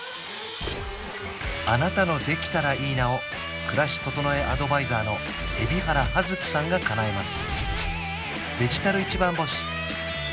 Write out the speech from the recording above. あなたの「できたらいいな」を暮らし整えアドバイザーの海老原葉月さんがかなえます